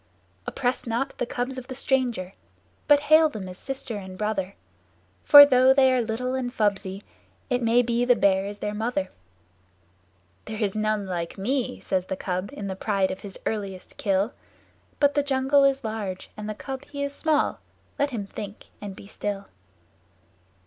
Oppress not the cubs of the stranger, but hail them as Sister and Brother, For though they are little and fubsy, it may be the Bear is their mother. "There is none like to me!" says the Cub in the pride of his earliest kill; But the jungle is large and the Cub he is small. Let him think and be still.